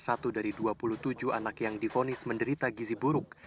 satu dari dua puluh tujuh anak yang difonis menderita gizi buruk